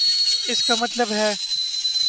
اس کا مطلب ہے۔